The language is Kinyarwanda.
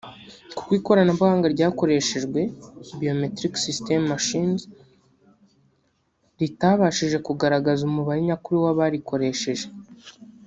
kuko ikoranabuhanga ryakoreshejwe (biometric system machines) ritabashije kugaragaza umubare nyakuri w’abarikoresheje